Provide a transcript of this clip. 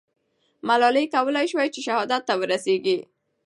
ملالۍ کولای سوای چې شهادت ته ورسېږي.